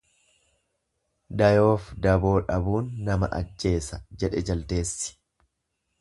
Dayoof daboo dhabuun nama ajjeesa jedhe jaldeessi.